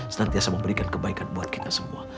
senantiasa memberikan kebaikan buat kita semua